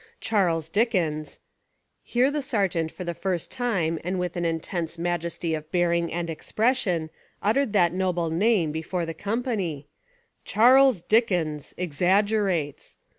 Charles Dickens," — here the Sergeant for the first time and with an intense majesty of bearing and expression, uttered that noble name before the company, — "Charles Dickens exaggerates.